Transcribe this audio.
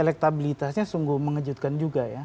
elektabilitasnya sungguh mengejutkan juga ya